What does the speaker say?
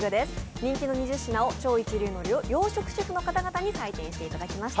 人気の２０品を超一流の洋食シェフの方に採点していただきました。